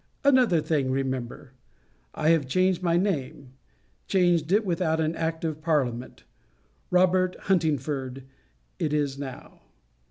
Another thing remember; I have changed my name: changed it without an act of parliament. 'Robert Huntingford' it is now.